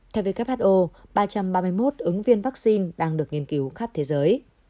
theo who ba trăm ba mươi một ứng viên vaccine đang được nghiên cứu khắp thế giới